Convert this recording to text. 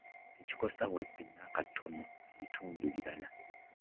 Tekikosa wadde n'akatono bitundu birala